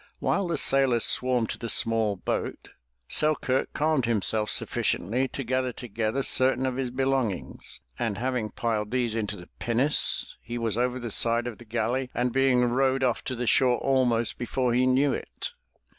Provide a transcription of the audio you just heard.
While the sailors swarmed to the small boat, Selkirk calmed 329 MY BOOK HOUSE himself sufficiently to gather together certain of his belongings, and, having piled these into the pinnace, he was over the side of the galley and being rowed off to the shore almost before he knew it.